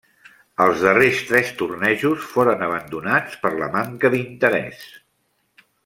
Els darrers tres tornejos foren abandonats per la manca d'interès.